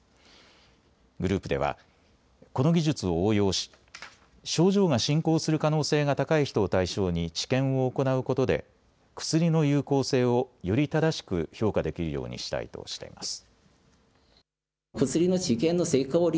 グループではこの技術を応用し症状が進行する可能性が高い人を対象に治験を行うことで薬の有効性をより正しく評価できるようにしたいとしています。